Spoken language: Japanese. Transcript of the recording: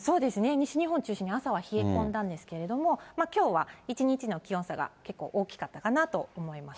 西日本中心に朝は冷え込んだんですけれども、きょうは一日の気温差が結構大きかったかなと思います。